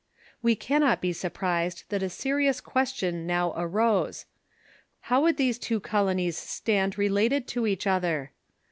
We cannot be surprised that a serious question now arose : How would these two colonies stand related to each other?